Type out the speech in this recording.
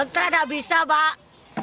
tidak bisa mbak